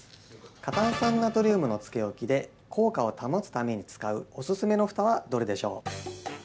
過炭酸ナトリウムのつけ置きで効果を保つために使うおすすめのふたはどれでしょう。